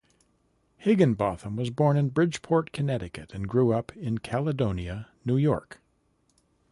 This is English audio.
Higinbotham was born in Bridgeport, Connecticut, and grew up in Caledonia, New York.